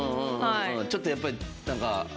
ちょっとやっぱりなんか。